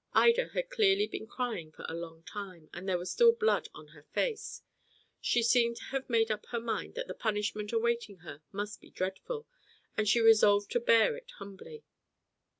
Ida had clearly been crying for a long time, and there was still blood on her face. She seemed to have made up her mind that the punishment awaiting her must be dreadful, and she resolved to bear it humbly.